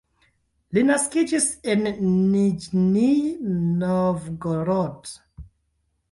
Li naskiĝis en Niĵnij Novgorod.